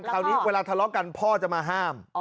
คราวนี้เวลาทะเลาะกันพ่อจะมาห้าม